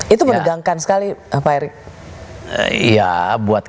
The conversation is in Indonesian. itu menegangkan sekali pak erick